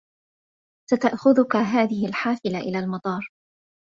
ستأخذك هذه الحافلة إلى المطار.